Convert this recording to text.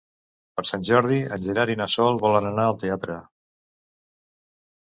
Per Sant Jordi en Gerard i na Sol volen anar al teatre.